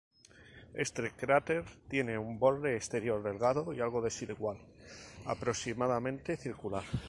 Este cráter tiene un borde exterior delgado y algo desigual, aproximadamente circular.